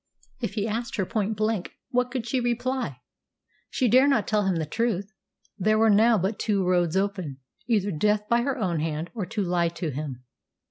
If he asked her point blank, what could she reply? She dare not tell him the truth. There were now but two roads open either death by her own hand or to lie to him.